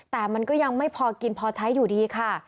แต่มันก็ยังไม่พอกินพอใช้อยู่ดีค่ะ